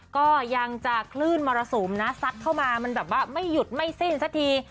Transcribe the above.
ก็ยังจะคลื่นมรสุมนะซัดเข้ามามันแบบว่าไม่หยุดไม่สิ้นสักที